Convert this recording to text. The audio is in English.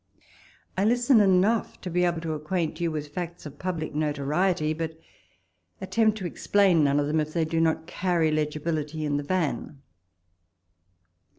I listen enough to be able to acquaint you with facts of public notoriety ; but attempt to explain none of them, if they do not carry legibility in the van.